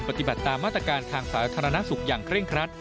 ปฏิบัติตามมาตรการทางสาธารณสุขอย่างเคร่งครัด